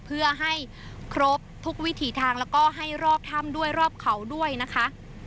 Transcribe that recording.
เพื่อให้ครบทุกวิถีทางแล้วก็ให้รอบถ้ำด้วยรอบเขาด้วยนะคะ